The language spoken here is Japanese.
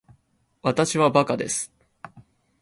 わたしはバカです